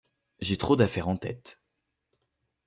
J'ai trop d'affaires en tête!